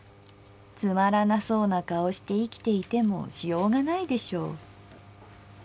つまらなそうな顔して生きていてもしようがないでしょ」。